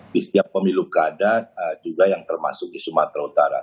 di setiap pemilu kada juga yang termasuk di sumatera utara